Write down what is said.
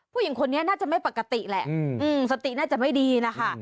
ผู้หญิงคนนี้น่าจะไม่ปกติแหละสติน่าจะไม่ดีนะคะ